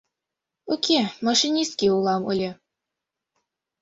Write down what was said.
— Уке, машинистке улам ыле.